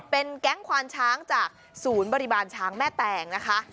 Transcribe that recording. เป็นแก๊งควานช้างจากศูนย์บริบาลช้างแม่แตงนะคะ